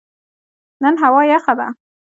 نن هوا یخه ده